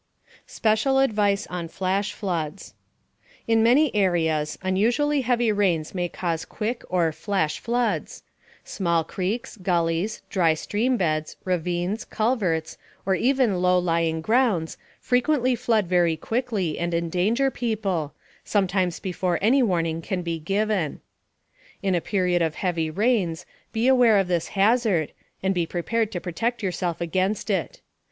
SPECIAL ADVICE ON FLASH FLOODS In many areas, unusually heavy rains may cause quick or "flash" floods. Small creeks, gullies, dry streambeds, ravines, culverts or even low lying grounds frequently flood very quickly and endanger people, sometimes before any warning can be given. In a period of heavy rains, be aware of this hazard and be prepared to protect yourself against it.